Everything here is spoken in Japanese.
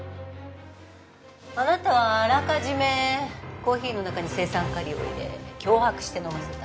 あなたはあらかじめコーヒーの中に青酸カリを入れ脅迫して飲ませた。